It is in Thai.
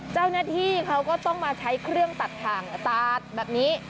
เจ้าหน้าที่เขาก็ต้องมาใช้เครื่องตัดถ่างตัดแบบนี้